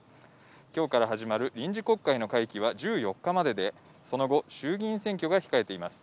今日から始まる臨時国会の会期は１４日までで、その後衆議院選挙が控えています。